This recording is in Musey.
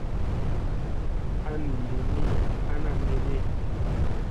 An li ni ana me ge.